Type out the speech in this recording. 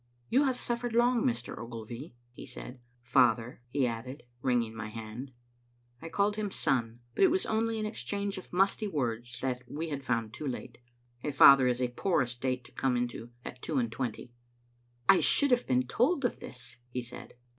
"You have suffered long, Mr. Ogilvy," he said. "Father," he added, wringing my hand. I called him son; but it was only an exchange of musty words that we had found too late. A father is a poor estate to come into at two and twenty. " I should have been told of this," he said.